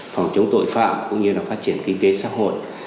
phòng chống tội phạm cũng như là phát triển kinh tế xã hội